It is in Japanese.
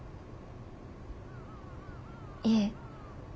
いえ。